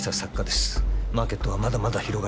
マーケットはまだまだ広がりますよ。